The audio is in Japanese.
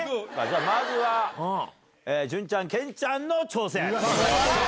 まずは潤ちゃん健ちゃんの挑戦。